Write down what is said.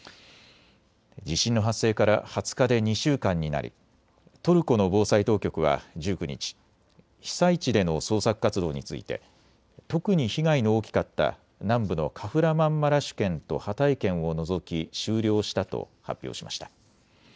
地震の発生から２０日で２週間になりトルコの防災当局は１９日、被災地での捜索活動について特に被害の大きかった南部のカフラマンマラシュ県とハタイ県を除き終了したと発表しました。